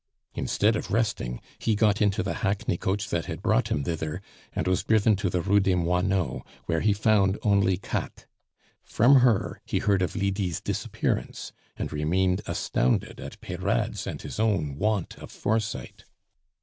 Instead of resting, he got into the hackney coach that had brought him thither, and was driven to the Rue des Moineaux, where he found only Katt. From her he heard of Lydie's disappearance, and remained astounded at Peyrade's and his own want of foresight.